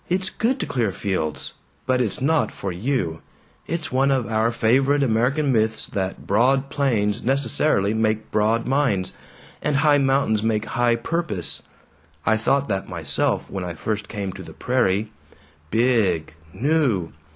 "It's good to clear fields. But it's not for you. It's one of our favorite American myths that broad plains necessarily make broad minds, and high mountains make high purpose. I thought that myself, when I first came to the prairie. 'Big new.'